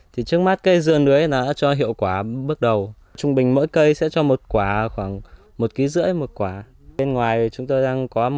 thì trước mắt cây dưa nưới là nó cho hiệu quả